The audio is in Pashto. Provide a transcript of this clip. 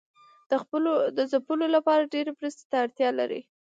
د ځپلو لپاره ډیرې مرستې ته اړتیا لري.